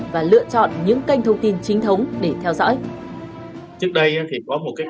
và lựa chọn những kênh thông tin chính thống để theo dõi